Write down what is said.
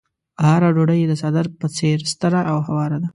هره ډوډۍ يې د څادر په څېر ستره او هواره ده.